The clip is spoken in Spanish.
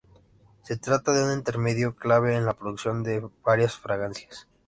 Se trata de un intermedio clave en la producción de varias fragancias.